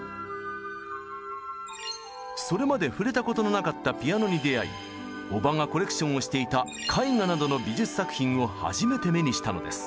それまで触れたことのなかったピアノに出会いおばがコレクションをしていた絵画などの美術作品を初めて目にしたのです。